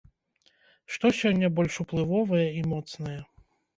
Што сёння больш уплывовае і моцнае?